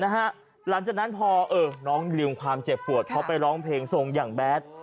หลังจากนั้นพอน้องลืมความเจ็บปวดเขาไปร้องเพลงทรงอย่างแบด